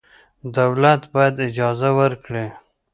دولت باید اجازه ورکړي.